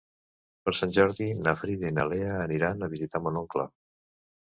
Per Sant Jordi na Frida i na Lea aniran a visitar mon oncle.